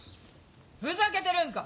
ふざけてるんか！